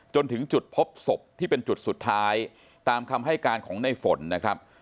จนถึงจุดพบศพที่เป็นจุดสุดท้ายตามคำให้การของในฝนนะครับ